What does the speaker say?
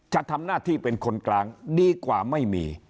จะทำหน้าที่เป็นคนกลางดีกว่าไม่มี